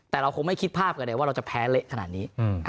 แต่เราคงไม่คิดภาพกันเลยว่าเราจะแพ้เละขนาดนี้